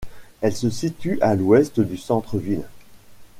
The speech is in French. Elle se situe à l'ouest du centre ville.